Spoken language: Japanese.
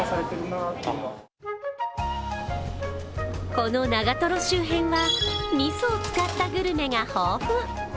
この長瀞周辺はみそを使ったグルメが豊富。